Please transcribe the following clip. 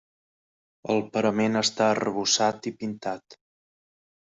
El parament està arrebossat i pintat.